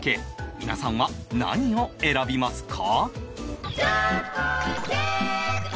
皆さんは何を選びますか？